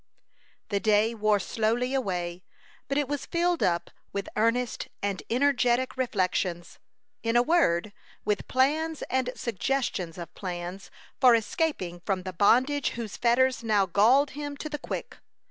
The day wore slowly away, but it was filled up with earnest and energetic reflections, in a word, with plans and suggestions of plans for escaping from the bondage whose fetters now galled him to the quick.